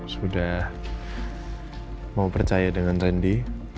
sudah mau percaya dengan randy